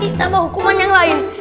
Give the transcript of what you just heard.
tapi sama hukuman yang lain